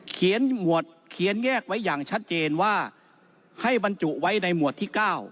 เขียนแยกไว้อย่างชัดเจนว่าให้บรรจุไว้ในหมวดที่๙